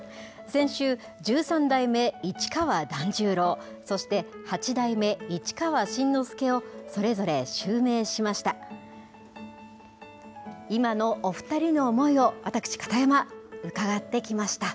先週、十三代目市川團十郎、そして八代目市川新之助を、それぞれ襲名しました。